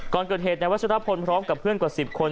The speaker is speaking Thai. ก่อนเกิดเหตุในวัชรพลพร้อมกับเพื่อนกว่า๑๐คน